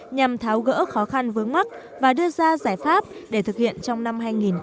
nhằm tháo gỡ khó khăn vướng mắt và đưa ra giải pháp để thực hiện trong năm hai nghìn hai mươi